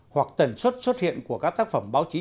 hoặc tần suất xuất hiện của các tác phẩm báo chí